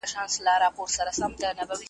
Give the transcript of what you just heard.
چي په زړو کي دښمنۍ وي چي له وروه انتقام وي .